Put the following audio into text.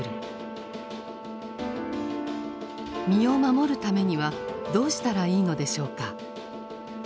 身を守るためにはどうしたらいいのでしょうか。